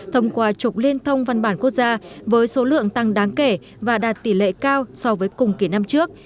thông qua trục liên thông văn bản quốc gia với số lượng tăng đáng kể và đạt tỷ lệ cao so với cùng kỷ năm trước